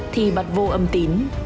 thì bắt vô âm tín